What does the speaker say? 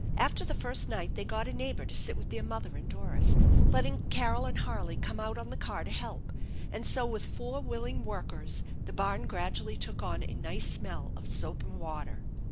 After the first night they got a neighbor to sit with their mother and Doris, letting Carol and Harley come out on the car to help; and so with four willing workers the barn gradually took on a nice smell of soap and water.